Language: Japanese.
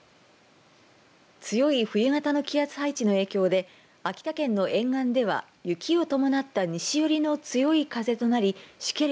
強い冬型の気圧配置の影響で秋田県の沿岸では、雪を伴った西寄りの強い風となりしける